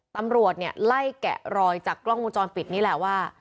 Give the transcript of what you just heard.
ตำรวจเนี่ยไล่แกะรอยจากกล้องวงจรปิดนี่แหละว่า